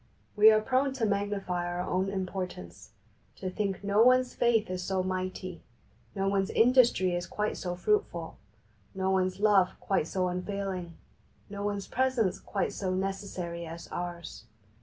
We are prone to magnify our own importance, to think no one's faith is so mighty, no one's industry is quite so fruitful, no one's love quite so unfailing, no one's presence quite so necessary as ours.